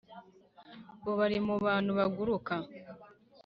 Bobo ari mu bantu baguruka